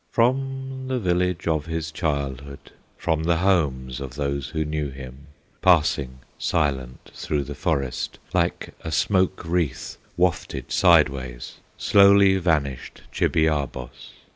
From the village of his childhood, From the homes of those who knew him, Passing silent through the forest, Like a smoke wreath wafted sideways, Slowly vanished Chibiabos!